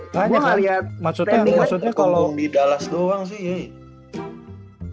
maksudnya kalau di dallas doang sih